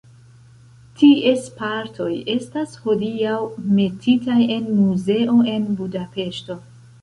Ties partoj estas hodiaŭ metitaj en muzeo en Budapeŝto.